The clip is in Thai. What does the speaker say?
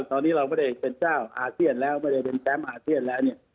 ตอนนี้เราไม่ได้เป็นเจ้าอาเซียนแล้วไม่ได้เป็นแชมป์อาเซียนแล้วเนี่ย